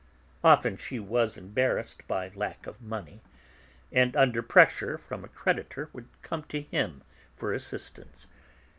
Often she was embarrassed by lack of money, and under pressure from a creditor would come to him for assistance.